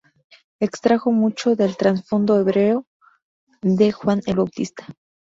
Extrajo mucho del trasfondo hebreo de Juan el Bautista.